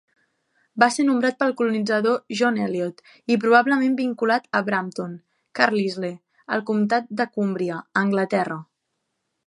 Va ser nombrat pel colonitzador John Eliot i probablement vinculat a Brampton, Carlisle, al comptat de Cumbria a Anglaterra.